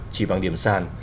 chỉ bằng điểm sàn